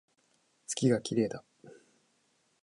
月が綺麗だ